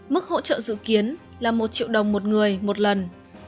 mức hỗ trợ dự kiến là một triệu đồng một người một lần